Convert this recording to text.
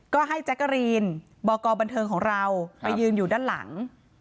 ก็ให้แจ๊กกะรีนบกบันเทิงของเราไปยืนอยู่ด้านหลัง